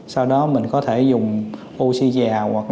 sau đó mình có thể dùng oxy già hoặc là bovidin là sát khuẩn bích thương